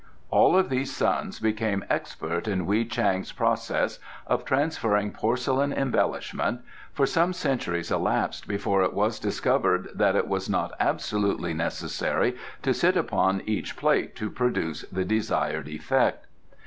All these sons became expert in Wei Chang's process of transferring porcelain embellishment, for some centuries elapsed before it was discovered that it was not absolutely necessary to sit upon each plate to produce the desired effect.